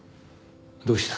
どうした？